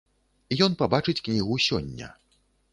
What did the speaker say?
Ён пабачыць кнігу сёння.